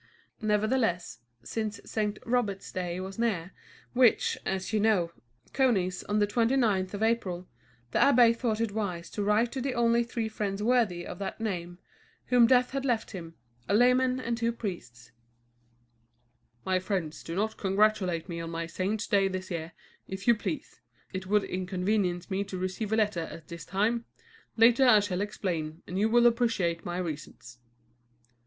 Nevertheless, since St. Robert's Day was near, which, as you know, comes on the 29th of April, the abbé thought it wise to write to the only three friends worthy of that name, whom death had left him, a layman and two priests: "My friend, do not congratulate me on my saint's day this year, if you please. It would inconvenience me to receive a letter at this time. Later I shall explain, and you will appreciate my reasons."